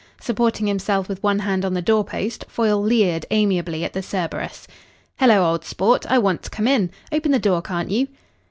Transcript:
Supporting himself with one hand on the door post, Foyle leered amiably at the Cerberus. "Hello, old sport, I want t'come in. Open the door, can't you?"